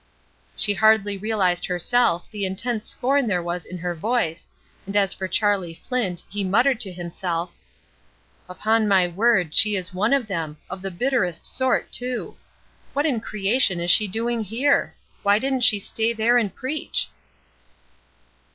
She hardly realized herself the intense scorn there was in her voice, and as for Charlie Flint he muttered to himself: "Upon my word, she is one of them; of the bitterest sort, too! What in creation is she doing here? Why didn't she stay there and preach?"